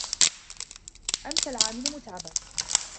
أَمْسَى الْعَامِلُ مُتْعِبًا.